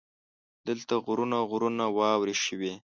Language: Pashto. دلته غرونه غرونه واورې شوي.